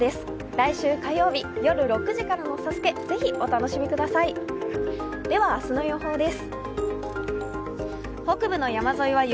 来週火曜日夜６時からの「ＳＡＳＵＫＥ」、ぜひお楽しみください、では明日の予報です。